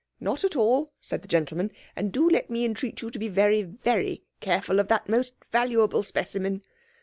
"Not at all," said the gentleman. "And do let me entreat you to be very, very careful of that most valuable specimen."